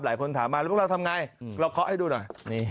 หลายคนถามมาแล้วพวกเราทำไงเราเคาะให้ดูหน่อย